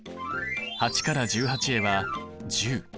８から１８へは１０。